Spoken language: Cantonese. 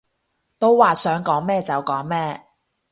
都話想講咩就講咩